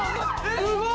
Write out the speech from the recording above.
すごい。